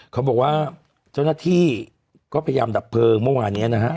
เขาบอกว่าเจ้าหน้าที่ก็พยายามดับเพลิงเมื่อวานนี้นะฮะ